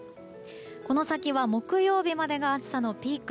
この先は木曜日までが暑さのピーク。